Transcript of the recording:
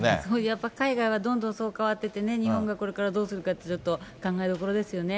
やっぱり海外はどんどんそう変わってってね、日本がこれからどうするかって、考えどころですよね。